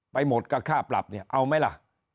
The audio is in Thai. ไปหมดกับค่าปรับเอาไหมล่ะ